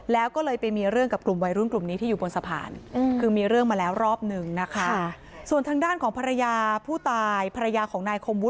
แล้วก็เลยไปมีเรื่องกับกลุ่มวัยรุ่นกลุ่มนี้ที่อยู่บนสะพาน